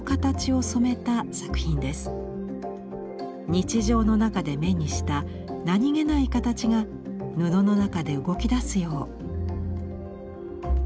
日常の中で目にした何気ない形が布の中で動きだすよう。